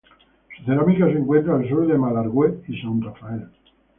Su cerámica se encuentra al sur de Malargüe y en San Rafael.